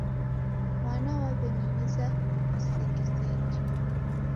Mwana w'aw'emimiza visingisingi